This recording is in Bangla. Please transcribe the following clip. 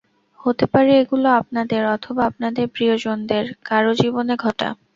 হতে পারে এগুলো আপনাদের অথবা আপনাদের প্রিয়জনদের কারও জীবনে ঘটা।